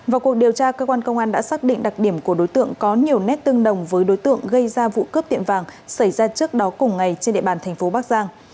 vào cuộc điều tra cơ quan công an đã xác định đặc điểm của đối tượng có nhiều nét tương đồng với đối tượng gây ra vụ cướp tiệm vàng xảy ra trước đó cùng ngày trên địa bàn thành phố bắc giang